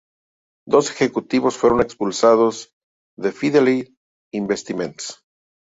Dos ejecutivos fueron expulsados de Fidelity Investments.